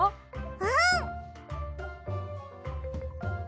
うん！